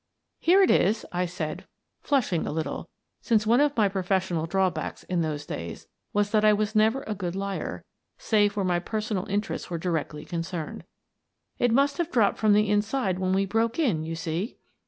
" Here it is," I said, flushing a little, since one of my professional drawbacks in those days was that I was never a good liar save where my personal interests were directly concerned. " It must have dropped from the inside when we broke in, you see."